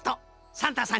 サンタさん